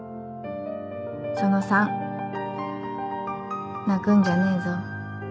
その３。泣くんじゃねえぞ。